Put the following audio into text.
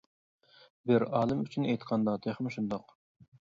بىر ئالىم ئۈچۈن ئېيتقاندا، تېخىمۇ شۇنداق.